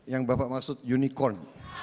yang bapak maksud unicorn